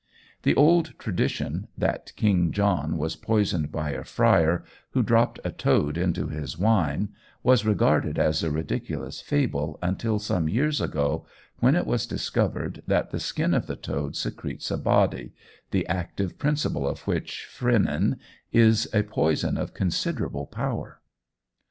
The old tradition, that King John was poisoned by a Friar who dropped a toad into his wine, was regarded as a ridiculous fable until some years ago, when it was discovered that the skin of the toad secretes a body, the active principle of which, "phrynin," is a poison of considerable power.